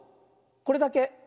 これだけ。